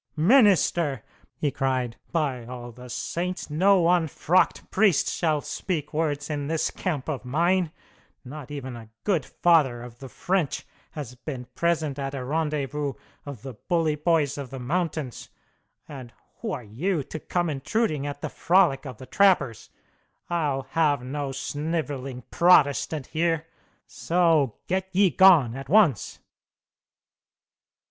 "Minister!" he cried. "By all the saints, no unfrocked priest shall speak words in this camp of mine! Not even a good father of the French has been present at a rendezvous of the bully boys of the mountains; and who are you, to come intruding at the frolic of the trappers? I'll have no sniveling Protestant here. So get ye gone at once!"